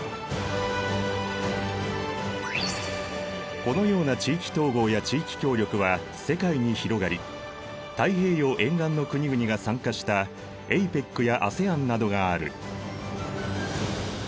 このような地域統合や地域協力は世界に広がり太平洋沿岸の国々が参加したＡＰＥＣやＡＳＥＡＮなどがある。